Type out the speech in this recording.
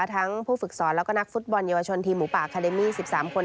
ทั้งผู้ฝึกสอนแล้วก็นักฟุตบอลเยาวชนทีมหมูป่าคาเดมี่๑๓คน